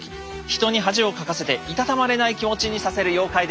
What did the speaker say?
人に恥をかかせていたたまれない気持ちにさせる妖怪です。